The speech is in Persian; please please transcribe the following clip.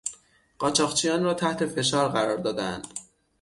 قاچاقچیان را تحت فشار قرار دادهاند.